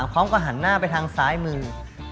เขาก็หันหน้าไปทางซ้ายมือ